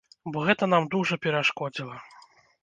Бо гэта нам дужа перашкодзіла.